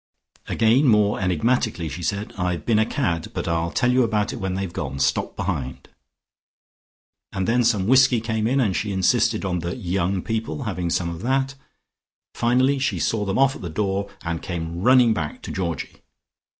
Again more enigmatically she said, "I've been a cad, but I'll tell you about it when they've gone. Stop behind." And then some whiskey came in, and she insisted on the "young people" having some of that; finally she saw them off at the door, and came running back to Georgie.